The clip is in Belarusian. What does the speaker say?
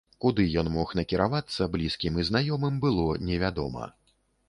Куды ён мог накіравацца, блізкім і знаёмым было невядома.